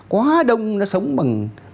quá đông nó sống bằng